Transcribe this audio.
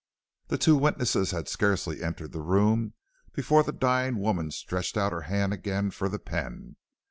"The two witnesses had scarcely entered the room before the dying woman stretched out her hand again for the pen.